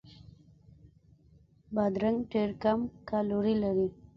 بادرنګ ډېر کم کالوري لري.